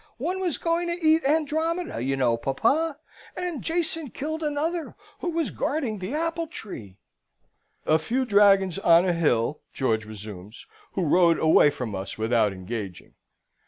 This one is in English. One was going to eat Andromeda, you know, papa; and Jason killed another, who was guarding the apple tree." "... A few dragons on a hill," George resumes, "who rode away from us without engaging.